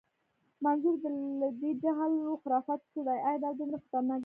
منظور دې له دې جهل و خرافاتو څه دی؟ ایا دا دومره خطرناک دي؟